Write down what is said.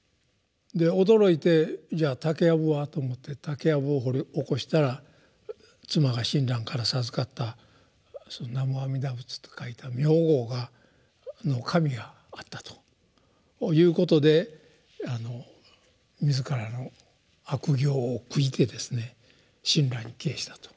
で驚いてじゃあ竹やぶはと思って竹やぶを掘り起こしたら妻が親鸞から授かった「南無阿弥陀仏」と書いた名号の紙があったということで自らの悪行を悔いてですね親鸞に帰依したと。